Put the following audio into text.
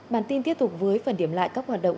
bản tin tiếp tục với phần điểm lại các hoạt động